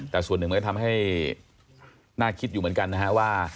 แต่ส่วนหนึ่งก็ทำให้น่าคิดอยู่เหมือนกันนะฮะว่า